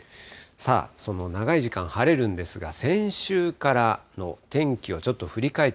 その長い時間晴れるんですが、先週からの天気をちょっと振り返っ